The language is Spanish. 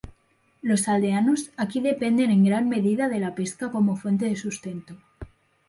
Los aldeanos aquí dependen en gran medida de la pesca como fuente de sustento.